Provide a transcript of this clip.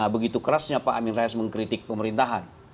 begitu kerasnya pak amin rais mengkritik pemerintahan